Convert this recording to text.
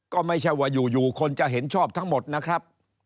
ก็ไม่ใช่ว่าอยู่คนจะเห็นชอบทั้งหมดนะครับ